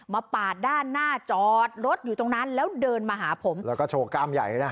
ปาดด้านหน้าจอดรถอยู่ตรงนั้นแล้วเดินมาหาผมแล้วก็โชว์กล้ามใหญ่นะฮะ